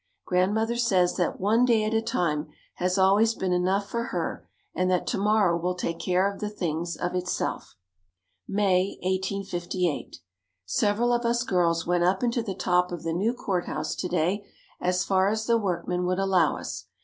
Grandmother says that one day at a time has always been enough for her and that to morrow will take care of the things of itself. May, 1858. Several of us girls went up into the top of the new Court House to day as far as the workmen would allow us.